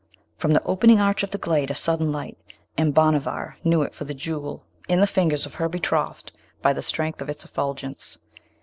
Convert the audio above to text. from the opening arch of the glade a sudden light, and Bhanavar knew it for the Jewel in the fingers of her betrothed, by the strength of its effulgence.